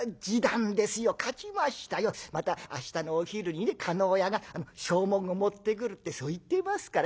また明日のお昼にね叶屋が証文を持ってくるってそう言ってますから。